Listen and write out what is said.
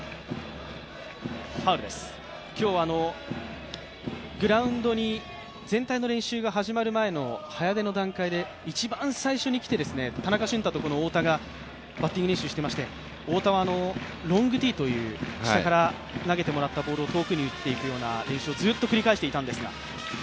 今日、グラウンドに全体の練習が始まる前の早出の段階で一番最初にきて田中俊太と大田がバッティング練習してまして大田はロングティーという下から投げてもらったボールを遠くに打っていくような練習をずっと繰り返していたんですが。